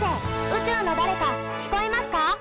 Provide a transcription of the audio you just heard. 宇宙のだれか聞こえますか？